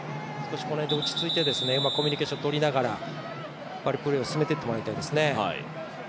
この辺で落ち着いてコミュニケーションを取りながらプレーを進めてってもらいたいですね。